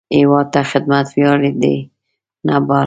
هیواد ته خدمت ویاړ دی، نه بار